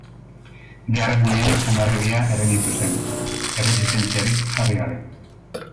Biharamunean Hondarribia errenditu zen, erresistentziarik jarri gabe.